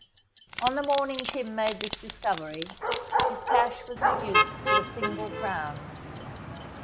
On the morning Tim made this discovery, his cash was reduced to a single crown.